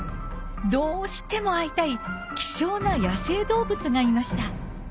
どうしても会いたい希少な野生動物がいました。